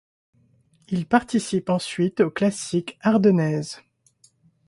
Il participe ensuite aux classiques ardennaises.